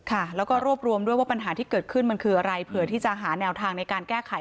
ค่ะแล้วก็รวบรวมด้วยว่าปัญหาที่เกิดขึ้นมันคืออะไรเผื่อที่จะหาแนวทางในการแก้ไข